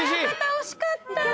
惜しかった。